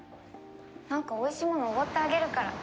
なんかおいしいものおごってあげるから。